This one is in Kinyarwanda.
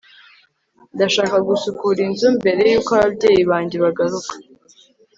ndashaka gusukura inzu mbere yuko ababyeyi banjye bagaruka